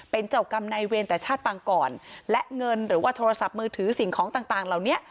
เป็นเจ้ากรรมในเวรแต่ชาติปังก่อนและเงินหรือว่าโทรศัพท์มือถือสิ่งของต่างต่างเหล่านี้